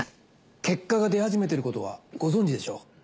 結果が出始めてることはご存じでしょう。